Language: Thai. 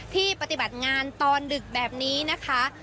ปฏิบัติงานตอนดึกแบบนี้นะคะ